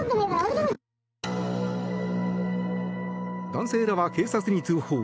男性らは警察に通報。